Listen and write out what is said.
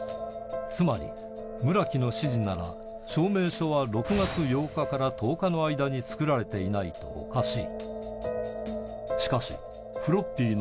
つまり村木の指示なら証明書は６月８日から１０日の間に作られていないとおかしい